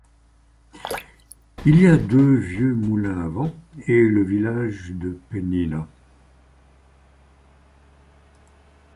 Il y a deux vieux moulins à vent, et le village de Penina.